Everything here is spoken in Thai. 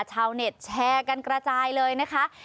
ชาวเน็ตแชร์กันกระจายเลยนะคะ